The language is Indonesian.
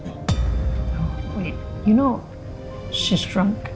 tunggu kamu tahu dia mabuk